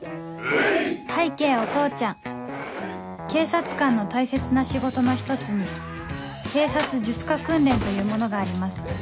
拝啓お父ちゃん警察官の大切な仕事の一つに警察術科訓練というものがあります